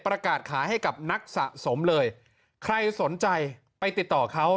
ประกาศขายให้กับนักสะสมเลยใครสนใจไปติดต่อเขา